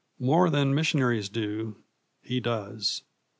More than missionaries do, he does.